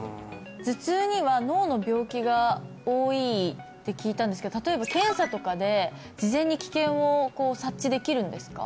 頭痛には脳の病気が多いって聞いたんですけど例えば検査とかで事前に危険をこう察知できるんですか？